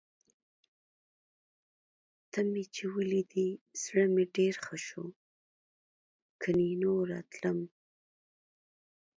ته مې چې ولیدې، زړه مې ډېر ښه شو. کني نوره تلم.